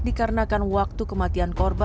dikarenakan waktu kematian korban